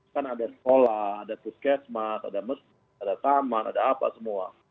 kan ada sekolah ada puskesmas ada masjid ada taman ada apa semua